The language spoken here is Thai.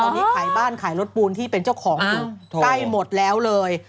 ตอนนี้ขายบ้านขายรถปูนที่เป็นเจ้าของอยู่ใกล้หมดแล้วเลย